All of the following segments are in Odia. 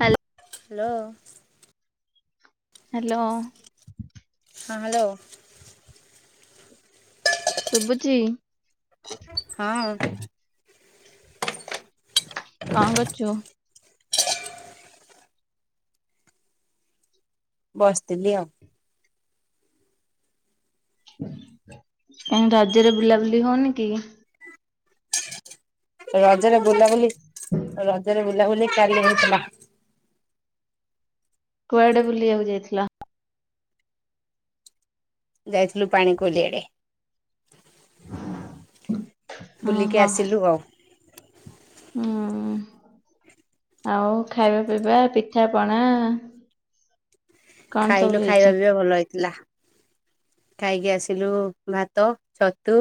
ହାଲ ହ୍ୟାଲୋ। ହାଲୋ। ହଁ ହ୍ୟାଲୋ। ଶୁଭୁଚି? ହଁ। କଣ କରୁଛୁ? ହଁ ବସିଥିଲି ଆଉ। କାହିଁ ରଜରେ ବୁଲାବୁଲି ହଉନି କି? ରଜରେ ବୁଲାବୁଲି, ରଜରେ ବୁଲାବୁଲି କାଲି ହେଇଥିଲା। କୁଆଡେ ବୁଲିବାକୁ ଯାଇଥିଲ? ଯାଇଥିଲୁ ପାଣିକୋଇଲି ଆଡେ। ହ ବୁଲିକି ଆସିଲୁ ଆଉ। ହୁଁ। ଆଉ ଖାଇବା ପିଇବା ପିଠାପଣା ଖାଇଲୁ ଖାଇବା ହେଇଚି? ପିଇବା ଭଲ ହେଇଥିଲା। ଖାଇକି ଆସିଲୁ ଭାତ, ଛତୁ,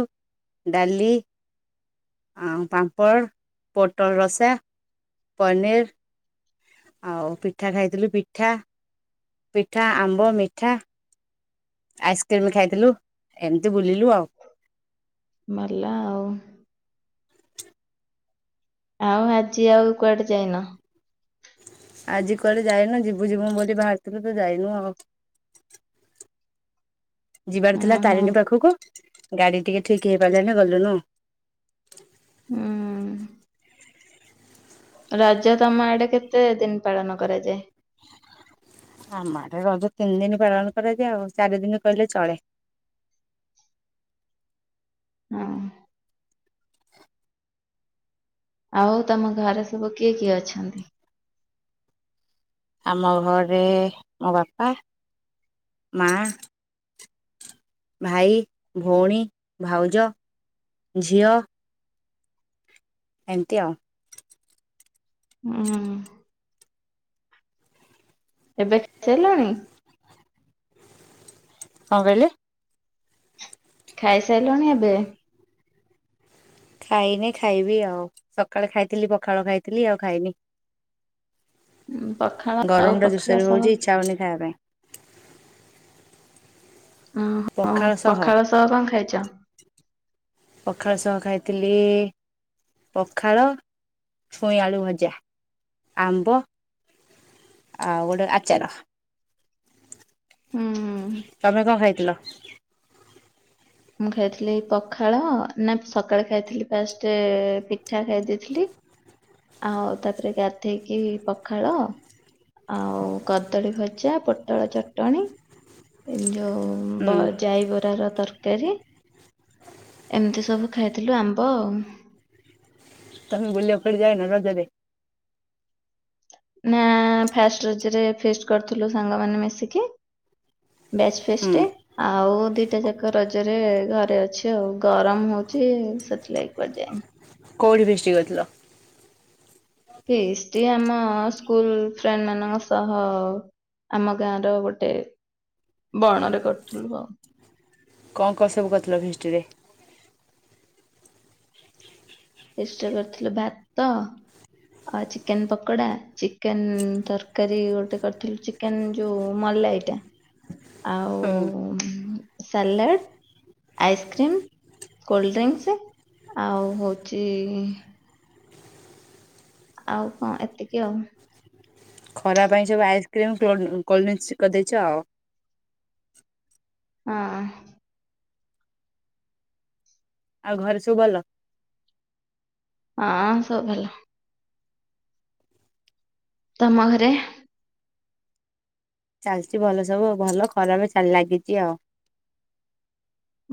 ଡାଲି ଆଉ ପାମ୍ପଡ଼, ପୋଟଳ ରସା, ପନିର୍ ଆଉ ପିଠା ଖାଇଥିଲୁ ପିଠା-ପିଠା, ଆମ୍ବ, ମିଠା ଆଇସ୍କ୍ରିମ୍ ଖାଇଥିଲୁ ଏମ୍ତି ବୁଲିଲୁ ଆଉ। ମଲା ଆଉ। ଆଉ ଆଜି ଆଉ କୁଆଡେ ଯାଇନ? ଆଜି କୁଆଡେ ଯାଇନୁ, ଯିବୁ-ଯିବୁ ବୋଲି ବାହାରିଥିଲୁ ତ ଯାଇନୁ ଆଉ। ଯିବାର ଥିଲା ଓହୋ ତାରିଣୀ ପାଖୁକୁ ଗାଡି ଟିକେ ଠିକ୍ ହେଇପାରିଲେନି ଗଲୁନୁ। ହୁଁ। ରଜ ତମ ଆଡେ କେତେ ଦିନ୍ ପାଳନ କରାଯାଏ? ଆମ ଆଡେ ରଜ ତିନ୍ ଦିନ୍ ପାଳନ କରାଯାଏ ଆଉ, ଚାରି ଦିନ୍ କହିଲେ ଚଳେ। ହଁ। ଆଉ ତମ ଘରେ ସବୁ କିଏ-କିଏ ଅଛନ୍ତି? ଆମ ଘରେ ମୋ ବାପା, ମା ଭାଇ, ଭଉଣୀ, ଭାଉଜ, ଝିଅ ଏମ୍ତି ଆଉ। ହୁଁ। ଏବେ ଖାଇସାରିଲଣି? କଣ କଇଲେ? ଖାଇସାରିଲଣି ଏବେ? ଖାଇନି ଖାଇବି ଆଉ, ସକାଳେ ଖାଇଥିଲି ପଖାଳ ଖାଇଥିଲି ଆଉ ଖାଇନି। ପଖାଳ ଆଉ ଗରମ୍ ଟା ଜୋର୍ ପଖାଳ ସୋରେ ସହ ହଉଚି, ଇଚ୍ଛା ହଉନି ଖାଇବା ପାଇଁ। ଓହୋ ପଖାଳ ସହ କଣ ଖାଇଛ? ପଖାଳ ସହ ଖାଇଥିଲି ପଖାଳ ଛୁଇଁ ଆଳୁ ଭଜା, ଆମ୍ବ ଆଉ ଗୋଟେ ଆଚାର। ହୁଁ। ତମେ କଣ ଖାଇଥିଲ? ମୁଁ ଖାଇଥିଲି ପଖାଳ ନା ସକାଳେ ଖାଇଥିଲି ଫାଷ୍ଟେ ପିଠା ଖାଇ ଦେଇଥିଲି। ଆଉ ତାପରେ ଗାଧେଇକି ପଖାଳ ଆଉ କଦଳୀ ଭଜା, ପୋଟଳ ଚଟଣିୀ ଏ ଯୋଉ- ହୁଁ ବ ଯାଇ ବରା ର ତର୍ କାରି ଏମ୍ତି ସବୁ ଖାଇଥିଲୁ ଆମ୍ବ ଆଉ। ତମେ ବୁଲିଆକୁ କୁଆଡେ ଯାଇନ ରଜ ରେ? ନାଁ, ଫାଷ୍ଟ ରଜ ରେ ଫିଷ୍ଟ କରିଥିଲୁ ସାଙ୍ଗମାନେ ମିଶିକି। ବ୍ୟାଚ୍ ହୁଁ ଫିଷ୍ଟି। ଆଉ ଦିଟା ଯାକ ରଜରେ ଘରେ ଅଛି ଆଉ, ଗରମ୍ ହଉଚି ସେଥିଲାଗି କୁଆଡେ ଯାଇନି। କୋଉଠି ଫିଷ୍ଟି କରିଥିଲ? ଫିଷ୍ଟି ଆମ ସ୍କୁଲ୍ ଫ୍ରେଣ୍ଡ ମାନଙ୍କ ସହ ଆମ ଗାଁ ର ଗୋଟେ ବଣରେ କରିଥିଲୁ ଆଉ। କଣ-କଣ ସବୁ କରିଥିଲ ଫିଷ୍ଟି ରେ? ଫିଷ୍ଟ୍ ରେ କରିଥିଲୁ ଭାତ ଆଉ ଚିକେନ୍ ପକୋଡା, ଚିକେନ୍ ତରକାରୀ ଗୋଟେ କରଥିଲୁ ଚିକ୍ କେନ୍ ଯୋଉ ମଲାଇଟା ହୁଁ ଆଉ ସାଲାଡ୍ ଆଇସ୍କ୍ରିମ୍, କୋଲ୍ଡଡ୍ରିଙ୍କସି ଆଉ ହଉଚି ଆଉ କଣ ଏତିକି ଆଉ। ଖରା ପାଇଁ ସବୁ ଆଇସ୍କ୍ରିମ୍, କୋଲ କୋଲ୍ଡ୍ରିଙ୍କସ୍ କରିଦେଇଚ ଆଉ। ହଁ। ଆଉ ଘରେ ସବୁ ଭଲ? ହଁ ସବୁ ଭଲ। ତୋମ ଘରେ ଚାଲଚି ଭଲ ସବୁ ଭଲ ଖରାରେ ଚାଲ ଲାଗିଚି ଆଉ।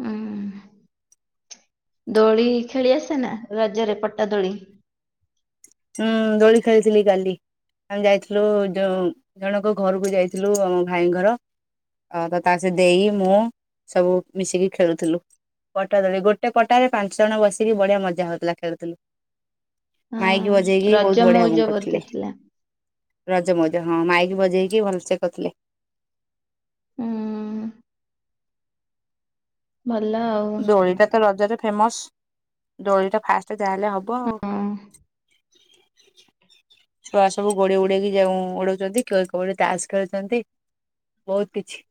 ଅଁ, ଦୋଳି ଖେଳି ଆସେ ନା ରଜରେ ପଟା ଦୋଳି? ଉଁ, ଦୋଳି ଖେଳିଥିଲି କାଲି। ଆମେ ଯାଇଥିଲୁ ଯୋଉ ଜଣଙ୍କ ଘରୁକୁ ଯାଇଥିଲୁ ଆମ ଭାଇ ଘର। ଅ, ତ ତା ସେ ଦେଇ, ମୁଁ ସବୁ ମିଶିକି ଖେଳୁଥିଲୁ। ପଟା ଦୋଳି, ଗୋଟେ ପଟାରେ ପାଞ୍ଚ ଜଣ ବସିକି ବଢିଆ ମଜା ହୋଉଥିଲା ଖେଳୁଥିଲୁ। ମାଇକ୍ କି ହଁ ବଜେଇକି ରଜ ବହୁତ ବଢିଆ ଉଁ, ମଉଜ ବୋଧେ କରଥିଲେ। ଥିଲା ରଜ ମୋଉଜ, ହଁ ମାଇକି ବଜେଇକି ଭଲସେ କରିଥିଲେ। ଅଁ, ଭଲ ଆଉ। ଦୋଳିଟା ତ ରଜରେ ଫେମସ୍। ଦୋଳି ଟା ଫାଷ୍ଟ ଯାହେଲେ ହବ ଆଉ। ହ [inaudible] ଛୁଆ ସବୁ ଗୋଡି ଉଡେଇକି ଯାଉ ଉଡୋଉଚନ୍ତି କେ- କୋଉଠି ତାସ୍ ଖେଳୁଚନ୍ତି। ବହୁତ କିଛି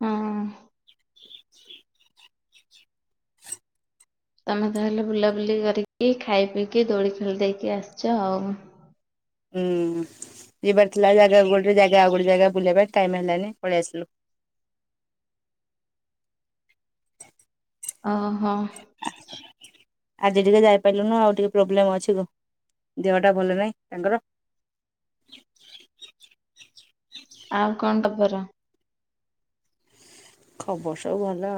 ଅଁ, [inaudible] ତୋମେ ତାହେଲେ ବୁଲାବୁଲି କରିକି, ଖାଇ ପିଇକି ଦୋଳି ଖେଳ ଦେଇକି ଆସଚ ଆଉ। ଉଁ, ଯିବାର ଥିଲା ଜାଗା ଗୋଟେ ଜାଗା ଆଉ ଗୋଟେ ଜାଗା ବୁଲିଆ ପାଇଁ ଟାଇମ୍ ହେଲାନି ପଳେଇଆସିଲୁ। ଓ ହଁ। ଆଜି ଟିକେ ଯାଇପାଇଲୁନୁ ଆଉ ଟିକେ ପ୍ରୋବ୍ଲେମ୍ ଅଛି ଘ- ଦେହଟା ଭଲ ନାହିଁ ତାଙ୍କର। ଆଉ କଣ ତପର? ଖବର ସବୁ ଭଲ,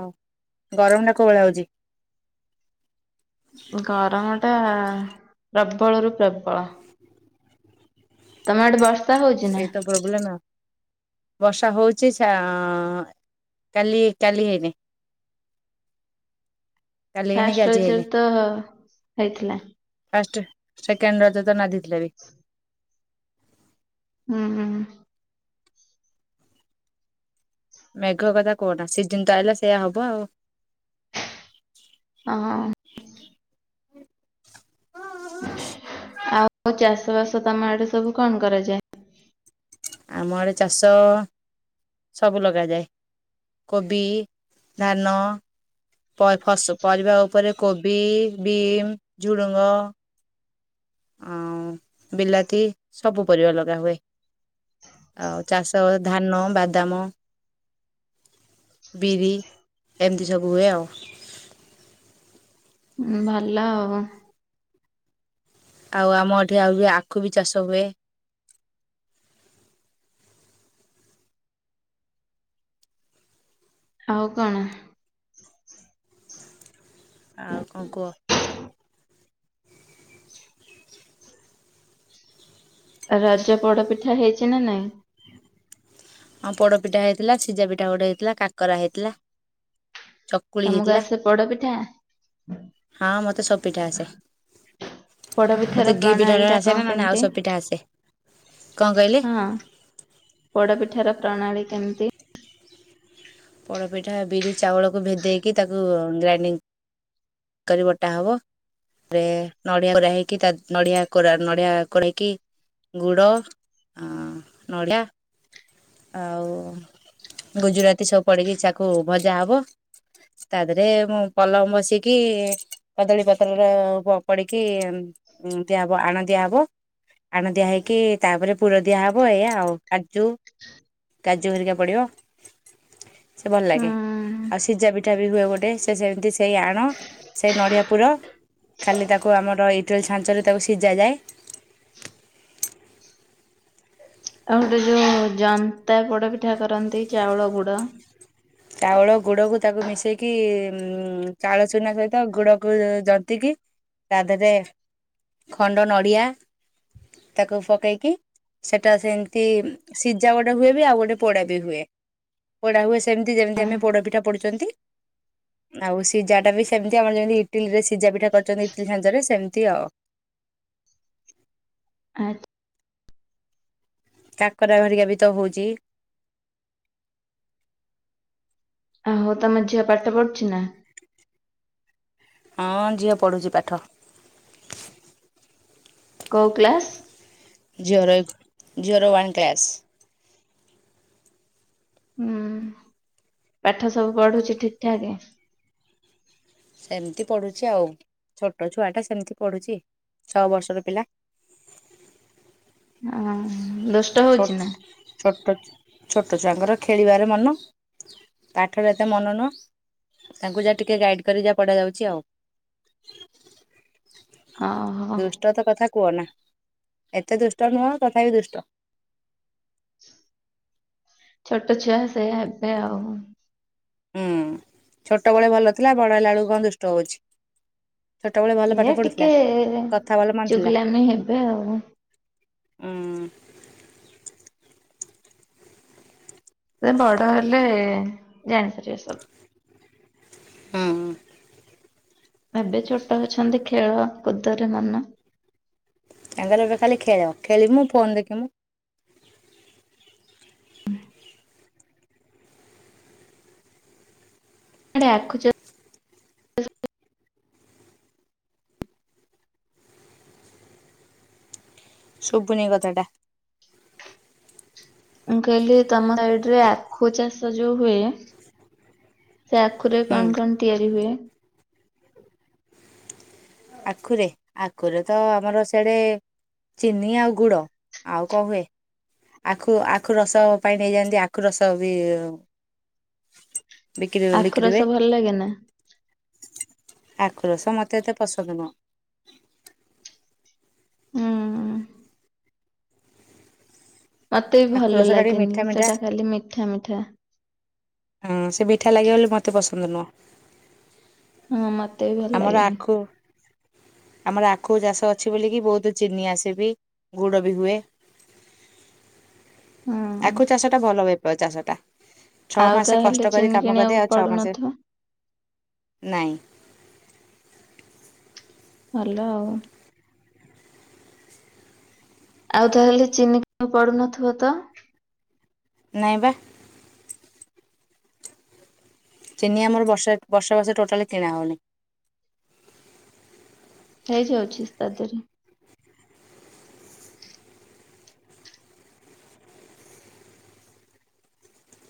ଗରମ ଟା କୋଉ ଭଳିଆ ହୋଉଚି? ଗରମ ଟା ପ୍ରବଳରୁୁ ପ୍ରବଳ। ତୋମ ଆଡେ ବର୍ଷା ହଉଚି ନା? ବୁଝିଲେ ନା? ବର୍ଷା ହୋଉଚି ସା- ଆଁ, କାଲି, କାଲି ହେଇନି। [inaudible] କାଲି ହେଇନି କି ଫାଷ୍ଟ ଆଜି ରଜ ରେ ହେଇନି ତ ହେଇଥିଲା। ଫାଷ୍ଟ, ସେକେଣ୍ଡ୍ ରଜ ରେ ତ ନାଦି ଥିଲା ବି। ହୁଁ, ହୁଁ। ମେଘ କଥା କୁହନା ସିଜିନ୍ ତ ଆଇଲା ସେଇଆ ହବ ଆଉ। ଅ, ହଁ। ଆଉ ଚାଷ ବାସ ତୋମ ଆଡେ ସବୁ କଣ କରାଯାଏ? ଆମ ଆଡେ ଚାଷ ସବୁ ଲଗାଯାଏ। କୋବି, ଧାନ ପ ଫସ ପରିବା ଉପରେ କୋବି, ବିମ୍, ଝୁଡୁଙ୍ଗ। ଅଁ ବିଲାତି ସବୁ ପରିବା ଲଗା ହୁଏ। ଆଉ ଚାଷ ଧାନ, ବାଦାମ ବିରି ଏମିତି ସବୁ ହୁଏ ଆଉ। ଉଁ, ଭଲ। ଆଉ ଆମ ଏଠି ଆହୁରି ଆଖୁ ବି ଚାଷ ହୁଏ। ଆଉ କଣ? ଆଉ କଣ କୁହ? ରଜ ପୋଡ ପିଠା ହେଇଛି ନା ନାଇଁ? ହଁ ପୋଡପିଠା ହେଇଥିଲା। ସିଝା ପିଠା ଗୋଟେ ହେଇଥିଲା। କାକରା ହେଇଥିଲା। ଚକୁଳି ତମକୁ ହେଇଥିଲା। ଆସେ ପୋଡପିଠା? ହଁ ମତେ ସବୁ ପିଠା ଆସେ। ପୋଡପିଠାର ମୋତେ ଘି ପ୍ରଣାଳୀ ପିଠାଟା ଟା କଣ ଆସେନା ନହେଲେ କେମିତି? ଆଉ ସବୁ ପିଠା ଆସେ। କଣ କହିଲେ? ପୋଡ଼ପିଠାର ପ୍ରଣାଳୀ କେମିତି? ପୋଡ଼ପିଠା ବିରି ଚାଉଳକୁ ଭେଦେଇକି ତାକୁ ଗ୍ରାଇଣ୍ତ କରି ବଟା ହବ। ତାପରେ ନଡ଼ିଆ କୋରା ହେଇକି ତା ନଡ଼ିଆ କୋରା ନଡ଼ିଆ କରୋଇକି ଗୁଡ଼ ହଁ ନଡ଼ିଆ ଆଉ ଗୁଜୁରାତି ସବୁ ପଡ଼ିକି ଚାକୁ ଭଜା ହବ ତାଦେହରେ ମୁଁ ପଲମ ବସିକି କଦଳୀ ପତ୍ରର ପଡ଼ିକି ଦିଆହବ ଆଣ ଦିଆହବ ଆଣ ଦିଆ ହେଇକି ତାପରେ ପୁର ଦିଆହେବ ଏଇଆ ଆଉ କାଜୁ କାଜୁ ହରିକା ପଡ଼ିବ। ସେଭଲ ହୁଁ ଲାଗେ। ଆଉ ସିଝା ପିଠାବି ହୁଏ ଗୋଟେ ସେ ସେମିତି ସେଇ ଆଣ ସେଇ ନଡ଼ିଆ ପୁର ଖାଲି ତାକୁ ଆମର ଇଟିଲି ଛାଞ୍ଚରେ ତାକୁ ସିଜାଯାଏ। ଆଉ ଗୋଟେ ଯୋଉ ଜନ୍ତା ପୋଡ଼ ପିଠା କରନ୍ତି ଚାଉଳ ଗୁଡ଼? ଚାଉଳ ଗୁଡ଼କୁ ତାକୁ ମିଶେଇକି ଉ ଚାଳ ଚୁନା ସହିତ ଗୁଡ଼କୁ ଜନ୍ତିକି ତାଦେହରେ ଖଣ୍ଡ ନଡ଼ିଆ ତାକୁ ପକେଇକି ସେଟା ସେମତି ସିଝା ଗୋଟେ ହୁଏବି ଆଉ ଗୋଟେ ପୋଡ଼ାବି ହୁଏ ପୋଡା ହୁଏ ସେମି ମିତି ଯେମିତି ଆମେ ପୋଡ଼ପିଠା ପଢୁଚନ୍ତି? ଆଉ ସିଜାଟାବି ସେମିତି ଆମର ଯେମିତି ଇଟିଲିରେ ସିଜା ପିଠା କରିଛନ୍ତି ଇଟିଲି ଛାଞ୍ଚରେ ସେମିତି ଆଉ। [unintelligible] କାକରା ଭାରିକାବି ତହୋଉଚି। ଓହୋ ତମ ଝିଅ ପାଠ ପଢୁଚି ନା? ହଁ ଝିଅ ପଡ଼ୁଚି ପାଠ। କୋଉ କ୍ଲାସ୍? ଝିଅର ଏ ଝିଅର ୱାନ୍ କ୍ଲାସ୍। ହୁଁ ପାଠ ସବୁ ପଢୁଛି ଠିକ୍ ଠାକ୍? ସେମିତି ପଡ଼ୁଚି ଆଉ ଛୋଟ ଛୁଆଟା ସେମିତି ପଡ଼ୁଚି ଛଅ ବର୍ଷର ପିଲା। ଅହଁ ଦୁଷ୍ଟ ଛୋଟ ହୋଉଚିନା? ଛୋଟ ଛୋଟ ଛୁଆଙ୍କର ଖେଳିବାର ମନ। ପାଠରେ ଏତେ ମନ ନୁହଁ ତାଙ୍କୁ ଯାହା ଟିକେ ଗାଇଟ୍ କରି ଯାହା ପଢା ଯାଉଚି ଆଉ। ହଁ ହଁ। ଦୁଷ୍ଟ ତ କଥା କୁହନା ଏତେ ଦୁଷ୍ଟ ନୁହଁ ତଥାପି ଦୁଷ୍ଟ। ଛୋଟ ଛୁଆ ସେଇଆ ହେବେ ଆଉ। ହୁଁ ଛୋଟବେଳେ ଭଲ ଥିଲା ବଡ଼ ହେଲା ବେଳକୁ କଣ ଦୁଷ୍ଟ ହଉଚି। ଛୋଟ ବେଳେ ଏ ଭଲପାଠ ପଢୁଥିଲା ଟିକେ କଥା ଭଲ ମାନୁଥିଲା। ଚୁଗୁଲାମି ହେବେ ଆଉ। ହୁଁ। ସେବଡ଼ ହେଲେ ଜାଣି ପାରିବ ସବୁ। ହୁଁ। ଏବେ ଛୋଟ ଅଛନ୍ତି ଖେଳ କୁଦରେ ମନ। ତାଙ୍କର ଏବେ ଖାଲି ଖେଳ ଖେଳିମୁ ଫୋନ୍ ଦେଖିମୁୁ। [unintelligible] ଶୁବୁନେଇ କଥାଟା? ମୁଁ କହିଲି ତମ ସାଇଡ଼ିରେ ଆଖୁ ଚାଷ ଯୋଉ ହୁଏ ସେଆଖୁରେ ହୁଁ କଣ କଣ ତିଆରି ହୁଏ? ଆଖୁରେ, ଆଖୁରେତ ଆମର ସିଆଡ଼େ ଚିନି ଆଉ ଗୁଡ଼ ଆଉ କଣହୁଏ? ଆଖୁ, ଆଖୁରସ ପାଇଁ ନେଇଯାଆନ୍ତି ଆଖୁ ରସବି ଆଖୁ ବିକ୍ରି ହୁଏ ରସ ଭଲ ଲାଗେନା? ଆଖୁରସ ମତେ ଏତେ ପସନ୍ଦ ନୁହଁ। ହୁଁ। ମତେବି ଭଲ ଆଖୁରସ ଟା ଟିକେ ଲାଗେନି ମିଠା ମିଠା ସେଟା ଖାଲି ମିଠା ମିଠା। ହୁଁ, ସେ ବିଠା ଲାଗିବ ବୋଲି ମତେ ପସନ୍ଦ ନୁହଁ। ହଁ ମତେ ବି ଭଲ ଆମର ଲାଗେନି। ଆଖୁ ଆମର ଆଖୁ ଚାଷ ଅଛି ବୋଲିକି ବହୁତ ଚିନି ଆସେ ବି, ଗୁଡ଼ ବି ହୁଏ। [inaudible] ହୁଁ ଆଖୁ ଚାଷଟା ଭଲ ବେପ ଚାଷ ଟା। ଛଅ ଆଉ ମାସ ତାହେଲେ କଷ୍ଟ କରି ଚିନି କାମ କରିଵେ, କିଣିବାକୁ ଆଉ ଛଅ ମାସ ପଡୁନଥିବ ନାଇଁ। ଭଲ ଆଉ ଆଉ ତାହେଲେ ଚିନି ଫିନି ପଡୁନଥିବ ତ? ନାଇଁବା। ଚିନି ଆମର ବର୍ଷ ବର୍ଷ ବର୍ଷ ଟୋଟାଲି କିଣା ହେଉନି। ହେଇଯାଉଛି ତା ଦେହରେ